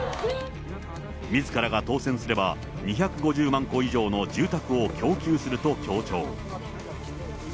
みずからが当選すれば、２５０万戸以上の住宅を供給すると強調。